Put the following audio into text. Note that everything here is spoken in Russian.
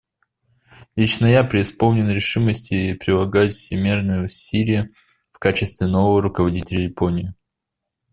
Лично я преисполнен решимости прилагать всемерные усилия в качестве нового руководителя Японии.